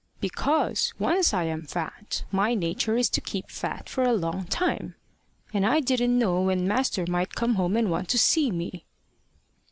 "Because once I am fat, my nature is to keep fat for a long time; and I didn't know when master might come home and want to see me."